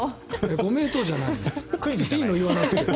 ご名答じゃないのよ。